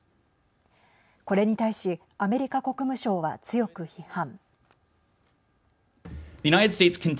これに対しアメリカ国務省は強く批判。